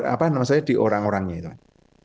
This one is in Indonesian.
apa namanya di orang orangnya itu kan